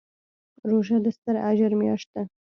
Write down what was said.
روژه د ستر اجر میاشت ده.